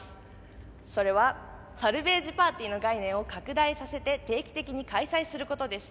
それはサルベージパーティーの概念を拡大させて定期的に開催することです。